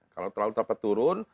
kalau terlalu terpeturun